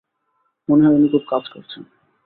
মনে হয় উনি খুব কাজ করছেন।